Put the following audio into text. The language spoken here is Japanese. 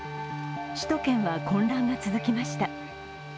首都圏は混乱が続きました。